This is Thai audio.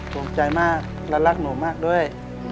ถูกใจมากและรักหนูมากด้วย